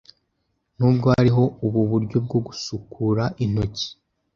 Nubwo hariho ubu buryo bwo gusukura intoki